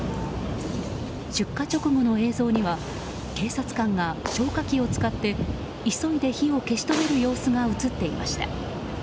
出火直後の映像には警察官が消火器を使って急いで火を消し止める様子が映っていました。